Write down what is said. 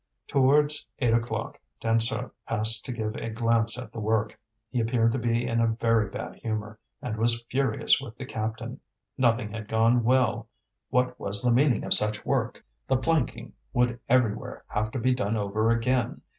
Towards eight o'clock Dansaert passed to give a glance at the work. He appeared to be in a very bad humour, and was furious with the captain; nothing had gone well, what was the meaning of such work, the planking would everywhere have to be done over again!